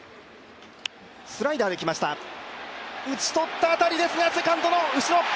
打ち取った当たりですがセカンドの後ろ。